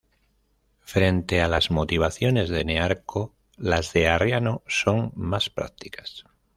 Frente a las motivaciones de Nearco las de Arriano son más prácticas.